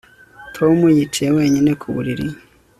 Tom yicaye wenyine ku buriri